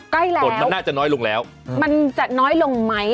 ใกล้แล้วฝนมันน่าจะน้อยลงแล้วมันจะน้อยลงไหม